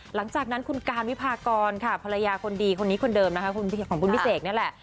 หลังจากนั้นคุณการวิพากรค่ะภรรยาคนดีคนนี้คนเดิมนะคะของคุณพี่เสกนี่แหละ